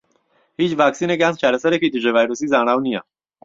هیچ ڤاکسینێک یان چارەسەرێکی دژە ڤایرۆسی زانراو نیە.